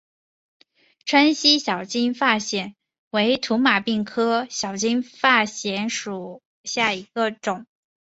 川西小金发藓为土马鬃科小金发藓属下的一个种。